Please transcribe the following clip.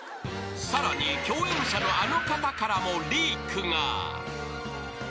［さらに共演者のあの方からもリークが］